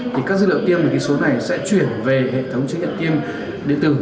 thì các dữ liệu tiêm về ký số này sẽ chuyển về hệ thống chứng nhận tiêm địa tử